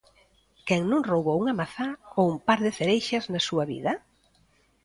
Quen non roubou unha mazá ou un par de cereixas na súa vida?